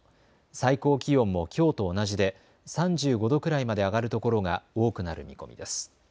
最高気温もきょうと同じで３５度くらいまで上がる所が多くなる見込みです。